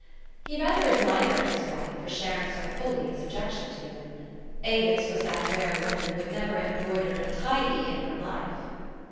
He rather admired his wife for sharing so fully his objection to them. Avis was that rare woman who had never embroidered a tidy in her life.